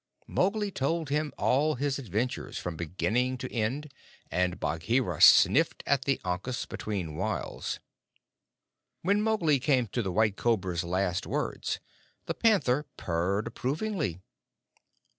Mowgli told him all his adventures from beginning to end, and Bagheera sniffed at the ankus between whiles. When Mowgli came to the White Cobra's last words, the Panther purred approvingly.